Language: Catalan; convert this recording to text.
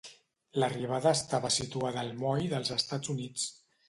L'arribada estava situada al Moll dels Estats Units.